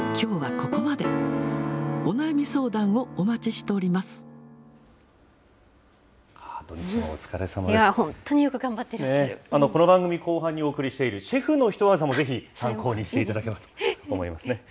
この番組後半にお送りしている、シェフのヒトワザも、ぜひ参考にしていただければと思いますね。